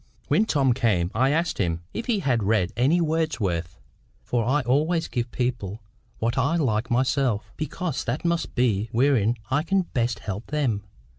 When Tom came, I asked him if he had read any of Wordsworth. For I always give people what I like myself, because that must be wherein I can best help them.